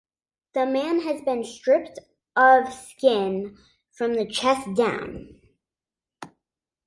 The man has been stripped of skin from the chest down.